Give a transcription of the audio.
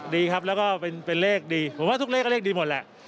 ดีครับแล้วก็เป็นเลขดีผมว่าทุกเลขก็เลขดีหมดแหละ